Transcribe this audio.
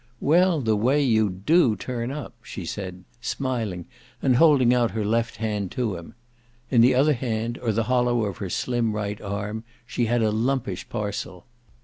"Well, the way you DO turn up," she said, smiling and holding out her left hand to him: in the other hand, or the hollow of her slim right arm, she had a lumpish parcel.